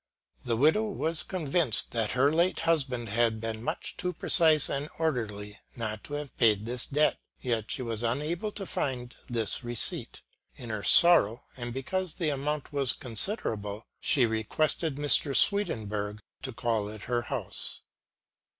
The widow was convinced that her late husband had been much too precise and orderly not to have paid this debt, yet she was unable to find this receipt. In her sorrow, and because the amount was considerable, she requested Mr. Swedenborg to call at her house.